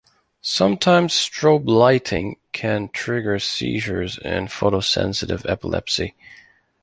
Sometimes strobe lighting can trigger seizures in photosensitive epilepsy.